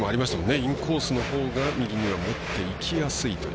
インコースのほうが右には持っていきやすいという。